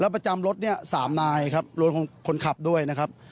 ประจำรถเนี่ย๓นายครับรวมของคนขับด้วยนะครับ